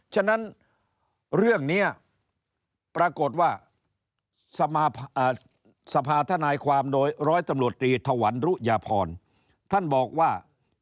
ฉะนั้นเรื่องนี้ปรากฏว่าสภาธนายความโดยร้อยตำรวจตรีถวันรุยพรท่านบอกว่า